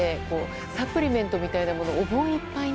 サプリメントみたいなものをお盆いっぱいに。